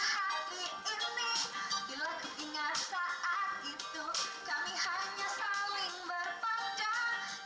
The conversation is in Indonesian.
hai berapa berat oh maunya hati ini bila ketinggalan saat itu kami hanya saling berpandang